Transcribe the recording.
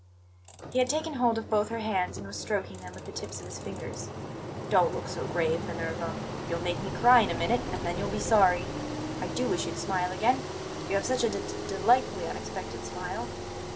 He had taken hold of both her hands and was stroking them with the tips of his fingers. "Don't look so grave, Minerva! You'll make me cry in a minute, and then you'll be sorry. I do wish you'd smile again; you have such a d delightfully unexpected smile.